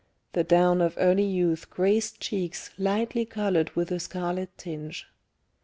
The down of early youth graced cheeks lightly coloured with a scarlet tinge.